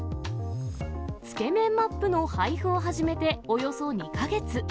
つけ麺マップの配布を始めておよそ２か月。